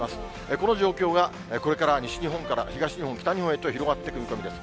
この状況がこれから西日本から東日本、北日本へと広がってくる見込みです。